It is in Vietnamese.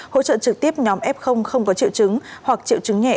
hỗ trợ trực tiếp nhóm f không có triệu chứng hoặc triệu chứng nhẹ